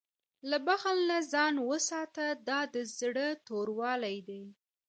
له بخل نه ځان وساته، دا د زړه توروالی دی.